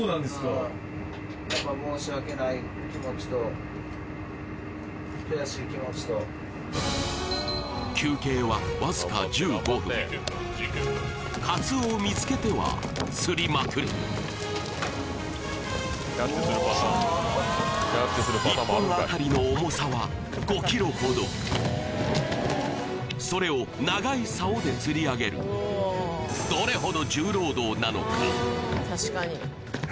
はいやっぱ休憩はわずか１５分カツオを見つけては釣りまくる１本当たりの重さは５キロほどそれを長い竿で釣り上げるどれほど重労働なのか？